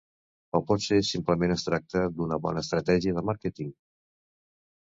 O potser simplement es tracta d’una bona estratègia de màrqueting?